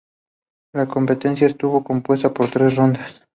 La competencia estuvo compuesta por tres rondas.